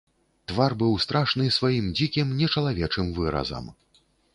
Твар быў страшны сваім дзікім нечалавечым выразам.